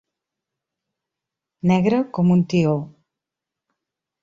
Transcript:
Negre com un tió.